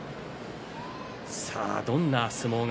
どんな相撲が